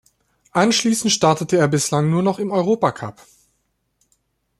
Anschließend startete er bislang nur noch im Europacup.